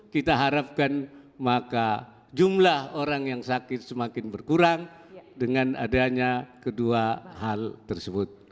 kita harapkan maka jumlah orang yang sakit semakin berkurang dengan adanya kedua hal tersebut